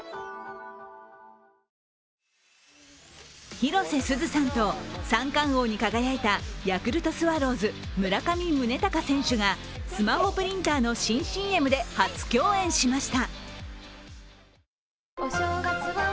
広瀬すずさんと三冠王に輝いたヤクルトスワローズ・村上宗隆選手がスマホプリンターの新ＣＭで初共演しました。